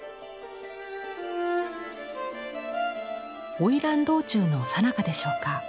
おいらん道中のさなかでしょうか。